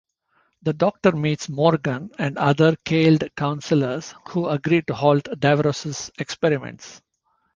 The Doctor meets Mogran and other Kaled Councillors, who agree to halt Davros' experiments.